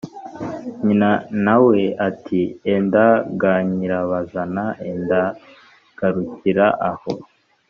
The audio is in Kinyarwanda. nyina na we ati ‘enda ga nyirabazana, enda garukira aho.’